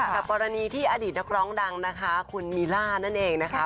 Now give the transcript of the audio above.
กับกรณีที่อดีตนักร้องดังนะคะคุณมีล่านั่นเองนะคะ